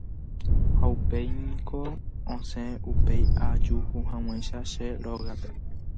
Upéingo asẽ upégui ajuhag̃uáicha che rógape.